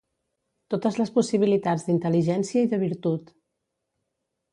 totes les possibilitats d'inteligència i de virtut